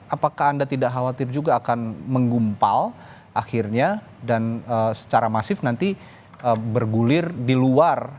apakah anda tidak khawatir juga akan menggumpal akhirnya dan secara masif nanti bergulir di luar